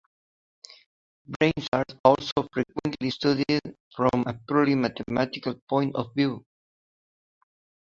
Branes are also frequently studied from a purely mathematical point of view.